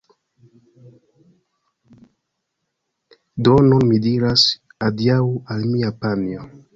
Do nun mi diras adiaŭ al mia panjo